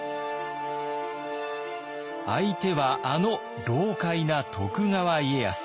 相手はあの老かいな徳川家康。